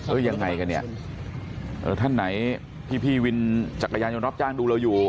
เอ๊ะยังไงกันเนี่ยท่านไหนพี่วินจักรยานยนต์รับจ้างดูแล้วอยู่